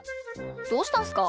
どうしたんすか？